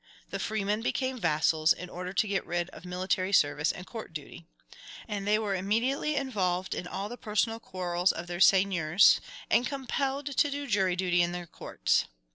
The freemen became vassals, in order to get rid of military service and court duty; and they were immediately involved in all the personal quarrels of their seigniors, and compelled to do jury duty in their courts....